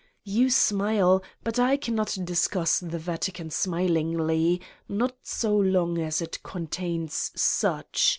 You smile but I cannot discuss the Vatican smilingly, not so long as it contains such